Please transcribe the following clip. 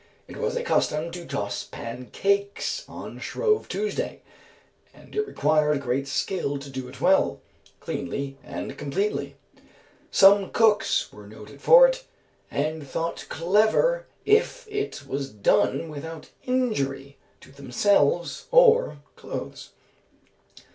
It was a custom to toss pancakes on Shrove Tuesday, and it required great skill to do it well, cleanly, and completely. Some cooks were noted for it, and thought clever if it was done without injury to themselves or clothes.